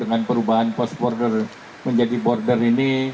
dengan perubahan post border menjadi border ini